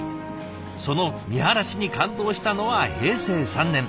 その見晴らしに感動したのは平成３年２５歳の時。